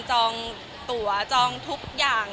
จองตัวจองทุกอย่าง